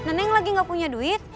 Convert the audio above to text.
neneng lagi gak punya duit